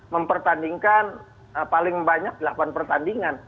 mempertandingkan paling banyak delapan pertandingan